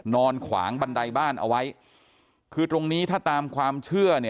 นอนขวางบันไดบ้านเอาไว้คือตรงนี้ถ้าตามความเชื่อเนี่ย